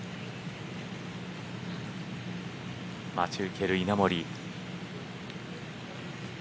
待ち受ける稲森。